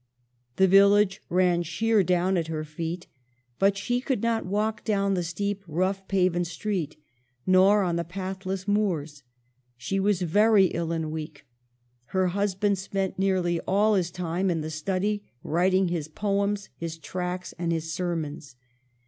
The village ran sheer down at her feet; but she could not walk down the steep rough paven street, nor on the pathless moors. She was very ill and weak ; her husband spent nearly all his time in the study, writing his poems, his tracts, and his sermons.